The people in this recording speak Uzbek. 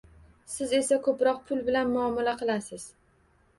Siz esa koʻproq pul bilan muomala qilasiz.